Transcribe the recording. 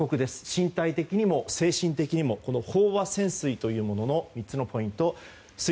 身体的にも精神的にもこの飽和潜水というものの３つのポイント